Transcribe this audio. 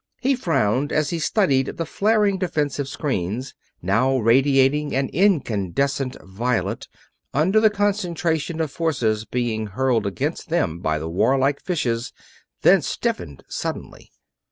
He frowned as he studied the flaring defensive screens, now radiating an incandescent violet under the concentration of forces being hurled against them by the warlike fishes, then stiffened suddenly.